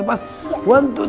nanti aku mau tidur